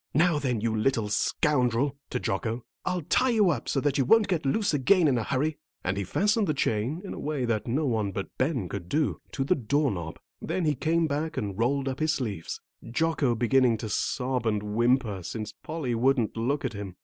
"Now then, you little scoundrel," to Jocko, "I'll tie you up so that you won't get loose again in a hurry," and he fastened the chain, in a way that no one but Ben could do, to the door knob, then he came back and rolled up his sleeves, Jocko beginning to sob and whimper, since Polly wouldn't look at him.